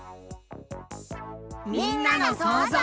みんなのそうぞう。